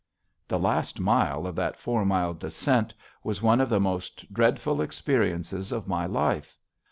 The last mile of that four mile descent was one of the most dreadful experiences of my life.